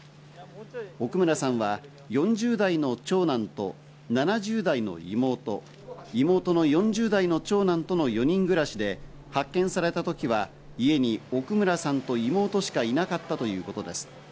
奥村さんは４０代の長男と７０代の妹、妹の４０代の長男との４人暮らしで、発見された時は家に奥村さんと妹しかいなかったということです。